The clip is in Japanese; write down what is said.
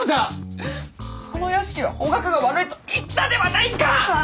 この屋敷は方角が悪いと言ったではないか！